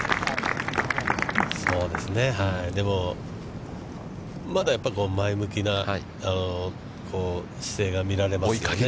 でも、まだやっぱり前向きな姿勢が見られますね。